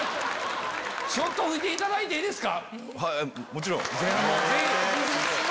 ちょっと吹いていただいていいですか？